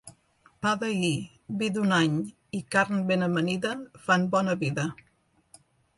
Pa d'ahir, vi d'un any i carn ben amanida fan bona vida.